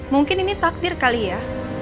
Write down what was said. mungkin ini takdir kali ya